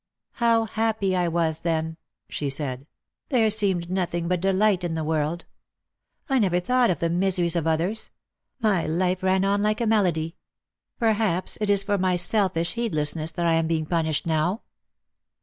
" How happy I was then !" she said ;" there seemed nothing but delight in the world. I never thought of the miseries of others. My life ran on like a melody. Perhaps it is for my selfish heedlessness that I am being punished now."